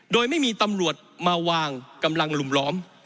โดยไม่มีตำรวจมาวางกำลังลุมล้อม